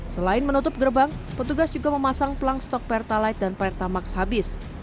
selain menutup gerbang petugas juga memasang pelang stok pertalite dan pertamax habis